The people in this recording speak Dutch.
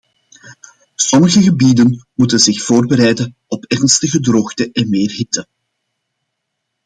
Sommige gebieden moeten zich voorbereiden op ernstige droogte en meer hitte.